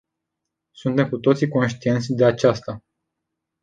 Suntem cu toții conștienți de aceasta.